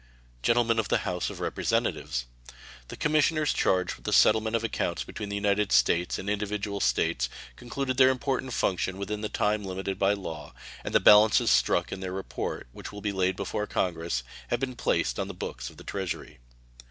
Gentlemen of the House of Representatives: The commissioners charged with the settlement of accounts between the United States and individual States concluded their important function within the time limited by law, and the balances struck in their report, which will be laid before Congress, have been placed on the books of the Treasury.